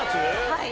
はい。